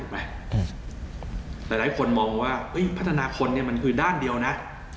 หลายคนมองว่าพัฒนาคนมันคือด้านเดียวนะ